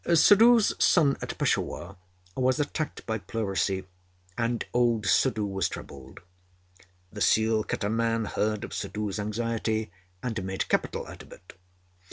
Suddhoo's son at Peshawar was attacked by pleurisy, and old Suddhoo was troubled. The seal cutter man heard of Suddhoo's anxiety and made capital out of it.